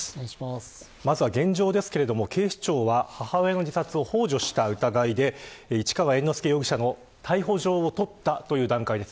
現状ですが、警視庁は母親の自殺をほう助した疑いで市川猿之助容疑者の逮捕状を取った段階です。